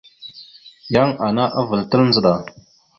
Yan ana avəlatal ndzəɗa.